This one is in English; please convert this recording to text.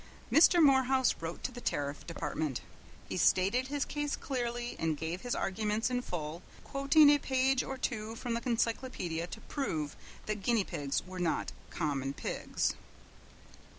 Mr. Morehouse wrote to the Tariff Department. He stated his case clearly, and gave his arguments in full, quoting a page or two from the encyclopedia to prove that guinea pigs were not common pigs.